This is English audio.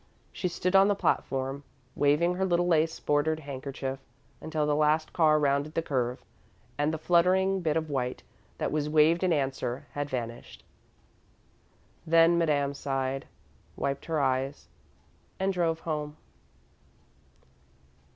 She stood on the platform, waving her little lace bordered handkerchief, until the last car rounded the curve and the fluttering bit of white that was waved in answer had vanished. Then Madame sighed, wiped her eyes, and drove home.